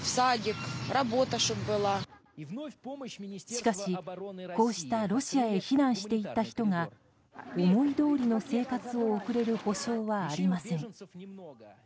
しかし、こうしたロシアへ避難していった人が思いどおりの生活を送れる保証はありません。